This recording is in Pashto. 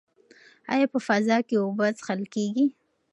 ایا په فضا کې اوبه څښل کیږي؟